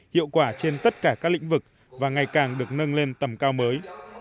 hiệu quả trên tất cả các lĩnh vực và ngày càng được nâng lên tầm cao mới